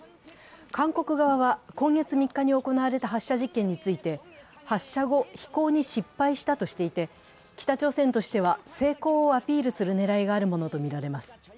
韓国側は今月３日に行われた発射実験について、発射後、飛行に失敗したとしていて北朝鮮としては成功をアピールする狙いがあるものとみられます。